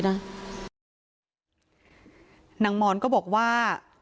นางมอนก็บอกว่า